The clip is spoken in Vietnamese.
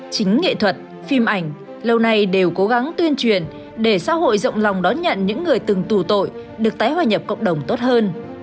chính nghệ thuật phim ảnh lâu nay đều cố gắng tuyên truyền để xã hội rộng lòng đón nhận những người từng tù tội được tái hòa nhập cộng đồng tốt hơn